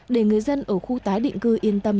để người dân ở khu tái định cư yên tâm